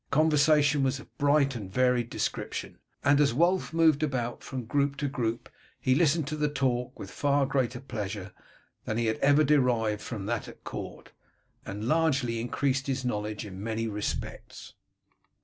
The conversation was of a bright and varied description, and as Wulf moved about from group to group he listened to the talk with far greater pleasure than he had ever derived from that at court, and largely increased his knowledge in many respects.